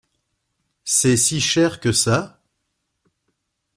C’est si cher que ça ?